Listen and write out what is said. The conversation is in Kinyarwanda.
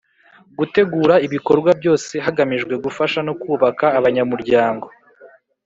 Gutegura ibikorwa byose hagamijwe gufasha no kubaka abanyamuryango